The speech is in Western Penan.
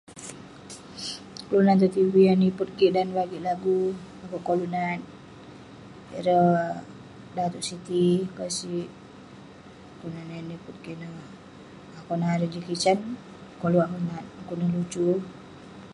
Kelunan tong tv yah nipet kik dan bagik lagu, akouk koluk nat ireh Dato' Siti [unintelligible] Kelunan yah nipet kik ineh, konak erei Jackie Chan, koluk akouk nat dekuk neh lucu.